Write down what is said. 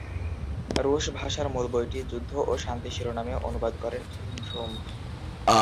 রুশ ভাষার মূল বইটি "যুদ্ধ ও শান্তি" শিরোনামে অনুবাদ করেন অরুণ সোম।